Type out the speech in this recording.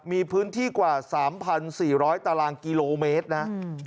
มีพื้นที่กว่า๓๔๐๐ตารางกิโลเมตรนะ